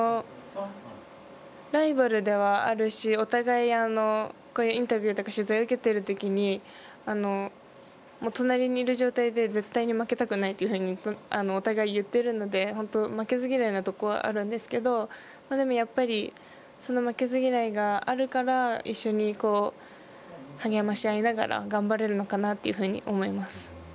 ライバルではあるしお互いインタビューとか取材を受けているときに隣にいる状態で絶対に負けたくないというふうにお互い言っているので本当、負けず嫌いなところはあるんですけどでも、やっぱりその負けず嫌いがあるから一緒に励まし合いながら頑張れるのかなというふうに思います。